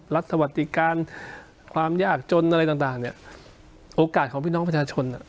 สวัสดิการความยากจนอะไรต่างต่างเนี่ยโอกาสของพี่น้องประชาชนอ่ะ